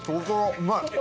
うまい！